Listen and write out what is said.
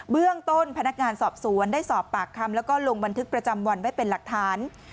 เรื่องต้นพนักงานสอบสวนได้สอบปากคำแล้วก็ลงบันทึกประจำวันไว้เป็นหลักฐาน